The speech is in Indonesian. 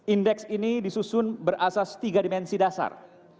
indeks ini disusun berasas tiga dimensi dasar